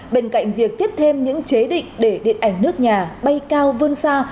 bên cạnh việc tiếp thêm những chế định để điện ảnh nước nhà bay cao vươn xa